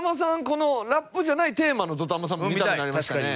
このラップじゃないテーマのＤＯＴＡＭＡさんも見たくなりましたね。